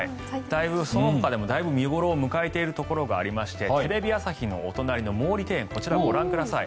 そのほかでもだいぶ見頃を迎えているところがありましてテレビ朝日のお隣の毛利庭園ご覧ください。